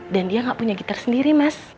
dan dia gak punya gitar sendiri mas